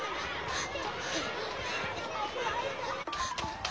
あっ！